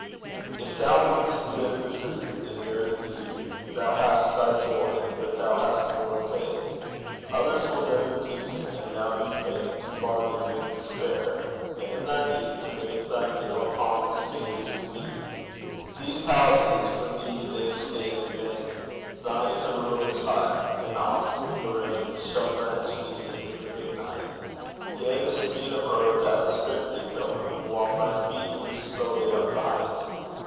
If thou wouldst live the Truth in very deed, Thou hast thy joy, but thou hast more of pain. Others will live in peace, and thou be fain To bargain with despair, and in thy need To make thy meal upon the scantiest weed. These palaces, for thee they stand in vain; Thine is a ruinous hut; and oft the rain Shall drench thee in the midnight; yea the speed Of earth outstrip thee pilgrim, while thy feet Move slowly up the heights.